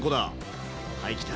はい来た！